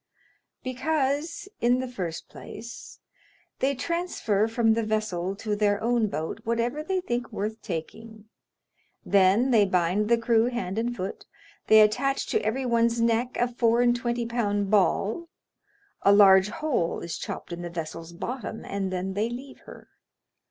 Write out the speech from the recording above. "Because, in the first place, they transfer from the vessel to their own boat whatever they think worth taking, then they bind the crew hand and foot, they attach to everyone's neck a four and twenty pound ball, a large hole is chopped in the vessel's bottom, and then they leave her.